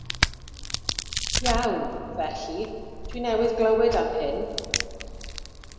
Iawn, felly, dwi newydd glywed am hyn.